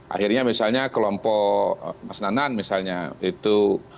akhirnya misalnya kelompok mas nanan misalnya itu